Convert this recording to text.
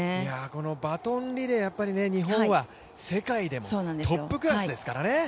このバトンリレー、日本は世界でもトップクラスですから。